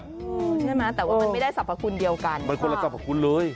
ใช่ไหมแต่ว่ามันไม่ได้สรรควรเดียวกันมันควรรัสสรรคุณเลย